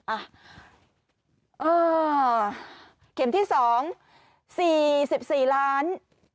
อ่าเข็มที่๒๔๔๗๒๑๐๐๐คัน